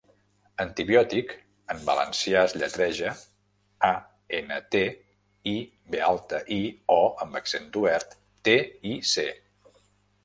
'Antibiòtic' en valencià es lletreja: a, ene, te, i, be alta, i, o amb accent obert, te, i, ce.